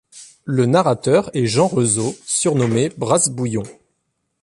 Le narrateur est Jean Rezeau, surnommé Brasse-Bouillon.